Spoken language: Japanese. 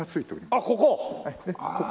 あっここ？